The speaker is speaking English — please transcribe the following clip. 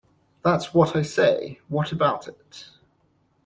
That's what I say: What about it?